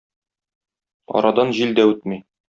Арадан җил дә үтми.